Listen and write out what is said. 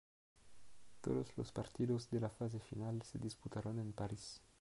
Todos los partidos de la fase final se disputaron en París.